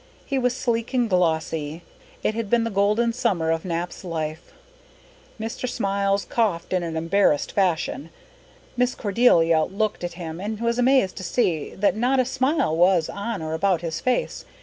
He was sleek and glossy. It had been the golden summer of Nap's life. Mr. Smiles coughed in an embarrassed fashion. Miss Cordelia looked at him and was amazed to see that not a smile was on or about his face.